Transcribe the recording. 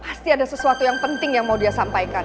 pasti ada sesuatu yang penting yang mau dia sampaikan